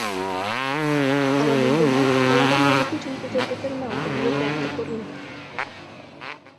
Ала монденат: мыланем неле кечын Кузе петырналтын лугалте корнет.